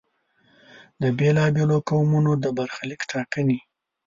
د بېلا بېلو قومونو د برخلیک ټاکنې.